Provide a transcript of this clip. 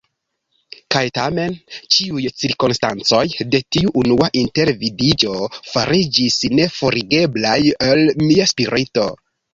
Kaj tamen ĉiuj cirkonstancoj de tiu unua intervidiĝo fariĝis neforigeblaj el mia spirito.